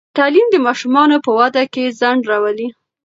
تعلیم د ماشومانو په واده کې ځنډ راولي.